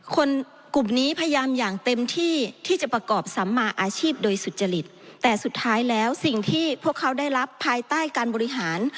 คนกลุ่มนี้พยายามอย่างเต็มที่ที่จะประกอบสัมมาอาชีพโดยสุจริตแต่สุดท้ายแล้วสิ่งที่พวกเขาได้รับภายใต้การบริหาร